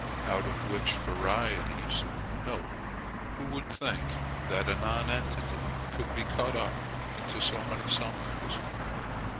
Out of which varieties (who would think that a nonentity could cut up into so many somethings?)